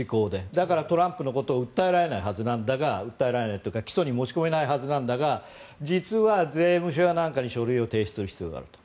だから、トランプのことを訴えられないはずなんだが訴えられないというか起訴に持ち込めないはずなんだが実は税務署やなんかに書類を提出する必要があると。